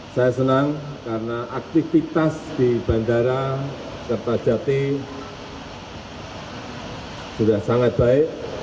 saya senang karena aktivitas di bandara kertajati sudah sangat baik